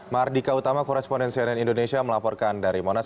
mardika utama koresponden cnn indonesia melaporkan dari monas